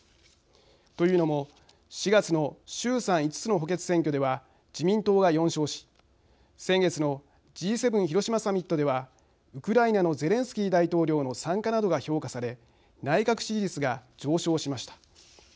というのも４月の衆参５つの補欠選挙では自民党が４勝し先月のＧ７広島サミットではウクライナのゼレンスキー大統領の参加などが評価され内閣支持率が上昇しました。